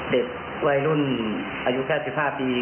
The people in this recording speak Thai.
เด็กวัยรุ่นอายุแค่๑๕ปี